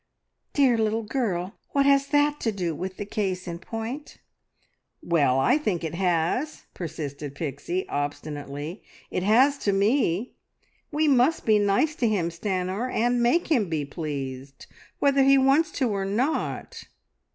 "Dear little girl, what has that to do with the case in point?" "Well, I think it has!" persisted Pixie obstinately. "It has to me. We must be nice to him, Stanor, and make him be pleased, whether he wants to or not.